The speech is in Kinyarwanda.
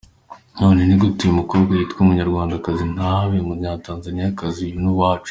None ni gute uyu mukobwa yitwa umunyarwandakazi ntabe umunyatanzaniyakazi? Uyu ni uwacu.